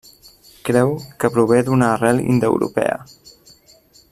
Creu que prové d'una arrel indoeuropea.